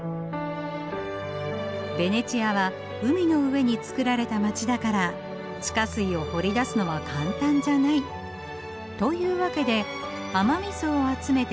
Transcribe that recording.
ベネチアは海の上につくられた街だから地下水を掘り出すのは簡単じゃない。というわけで雨水を集めてろ過してためたのがこれ。